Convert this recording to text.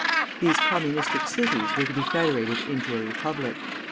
These Communistic cities were to be federated into a Republic.